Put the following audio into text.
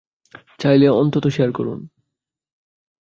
চাইলে অন্তত শেয়ার করুন।